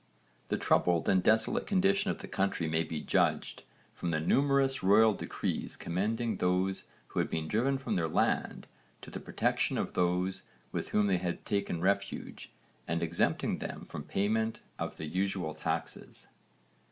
The troubled and desolate condition of the country may be judged from the numerous royal decrees commending those who had been driven from their land to the protection of those with whom they had taken refuge and exempting them from payment of the usual taxes.